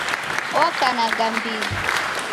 Oko na gambili